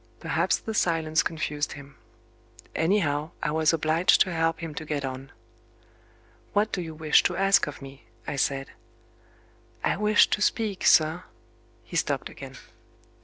Perhaps the silence confused him. Anyhow, I was obliged to help him to get on. "What do you wish to ask of me?" I said. "I wished to speak, sir " He stopped again.